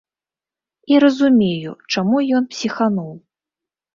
І разумею, чаму ён псіхануў.